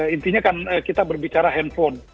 intinya kan kita berbicara handphone